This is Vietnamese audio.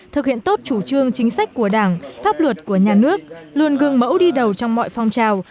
thực hiện tốt chủ trương chính sách của đảng pháp luật của nhà nước luôn gương mẫu đi đầu trong mọi phong trào